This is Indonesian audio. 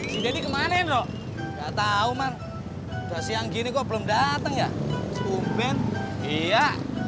si jadi kemarin loh nggak tahu man udah siang gini kok belum dateng ya umben iya